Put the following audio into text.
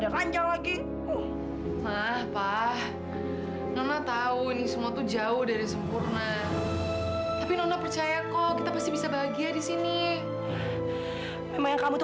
karena itu nona selalu iri sama aku sama kepintaran aku dan dia nggak pernah ngerti